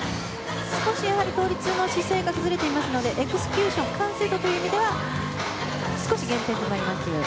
少し倒立の姿勢が崩れていますのでエクスキュージョン完成度という意味では少し減点となります。